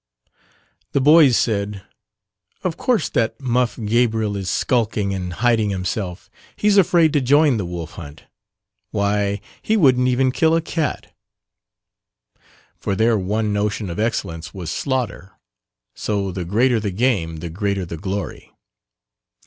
The boys said, "Of course that muff Gabriel is skulking and hiding himself, he's afraid to join the wolf hunt; why, he wouldn't even kill a cat," for their one notion of excellence was slaughter so the greater the game the greater the glory.